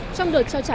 trong đợt trao trả